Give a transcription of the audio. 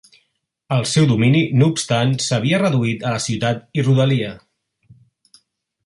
El seu domini no obstant s'havia reduït a la ciutat i rodalia.